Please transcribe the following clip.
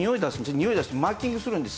におい出してマーキングするんです。